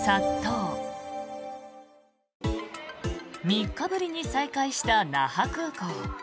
３日ぶりに再開した那覇空港。